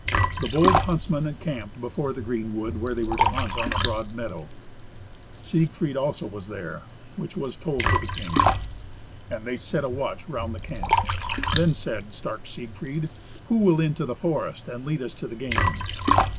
The bold huntsmen encamped before the green wood where they were to hunt, on a broad meadow. Siegfried also was there, which was told to the king. And they set a watch round the camp. Then said stark Siegfried, "Who will into the forest and lead us to the game?"